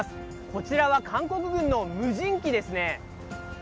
こちらは韓国軍の無人機ですね。